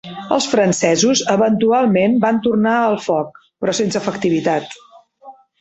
Els francesos eventualment van tornar el foc, però sense efectivitat.